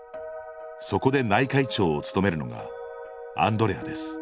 そこで内科医長を務めるのがアンドレアです